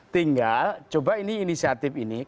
tinggal coba ini inisiatif ini